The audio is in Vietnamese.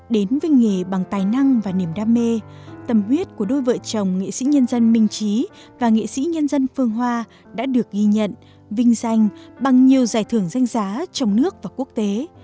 đến với nghề bằng tài năng và niềm đam mê tâm huyết của đôi vợ chồng nghệ sĩ nhân dân minh trí và nghệ sĩ nhân dân phương hoa đã được ghi nhận vinh danh bằng nhiều giải thưởng danh giá trong nước và quốc tế